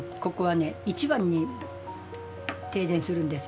一番に停電するんですよ。